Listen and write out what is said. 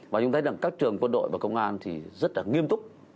và chúng ta thấy rằng các trường quân đội và công an thì rất là nghiêm túc